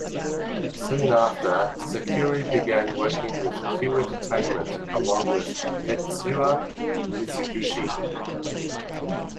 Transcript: Soon after, Sakurai began working with Q Entertainment, along with Tetsuya Mizuguchi.